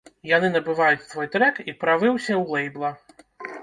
Яны набываюць твой трэк і правы ўсе ў лэйбла.